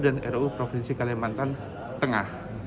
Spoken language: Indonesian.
dan ruu provinsi kalimantan tengah